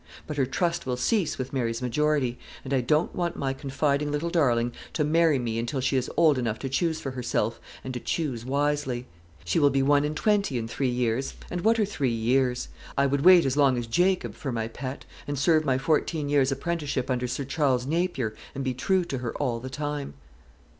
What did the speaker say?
But her trust will cease with Mary's majority; and I don't want my confiding little darling to marry me until she is old enough to choose for herself, and to choose wisely. She will be one and twenty in three years; and what are three years? I would wait as long as Jacob for my pet, and serve my fourteen years' apprenticeship under Sir Charles Napier, and be true to her all the time."